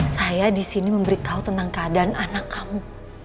saya di sini memberitahu tentang keadaan anak kamu